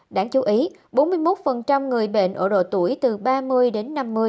đáng chú ý bốn mươi một người bệnh ở độ tuổi từ ba mươi đến năm mươi